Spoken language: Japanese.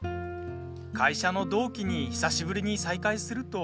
会社の同期に久しぶりに再会すると。